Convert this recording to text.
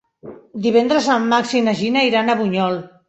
Divendres en Max i na Gina iran a Bunyol.